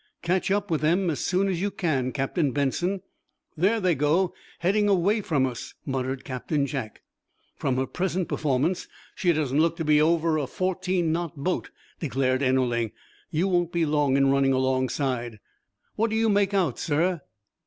"Catch up with them as soon as you can, Captain Benson." "There they go, heading away from us," muttered Captain Jack. "From her present performance she doesn't look to be over a fourteen knot boat," declared Ennerling. "You won't be long in running alongside." "What do you make out, sir?"